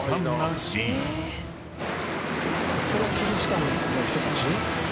これはキリシタンの人たち？